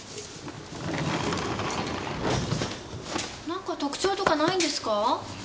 何か特徴とかないんですか？